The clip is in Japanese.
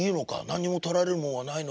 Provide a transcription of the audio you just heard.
何にもとられるものはないのか。